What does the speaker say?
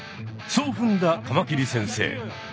そうふんだカマキリ先生。